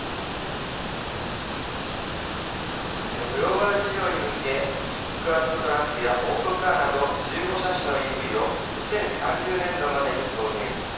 グローバル市場に向け、ピックアップトラックやオープンカーなど、１５車種のＥＶを、２０３０年度までに投入。